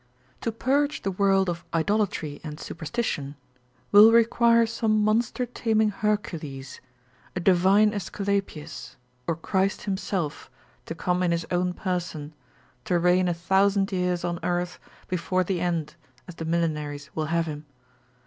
To purge the world of idolatry and superstition, will require some monster taming Hercules, a divine Aesculapius, or Christ himself to come in his own person, to reign a thousand years on earth before the end, as the Millenaries will have him.